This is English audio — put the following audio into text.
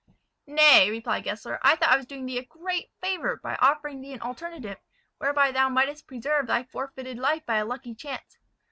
"Nay," replied Gessler, "I thought I was doing thee a great favour by offering thee an alternative, whereby thou mightest preserve thy forfeited life by a lucky chance."